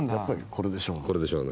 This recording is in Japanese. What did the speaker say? これでしょう。